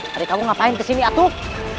hari kamu ngapain di sini atuk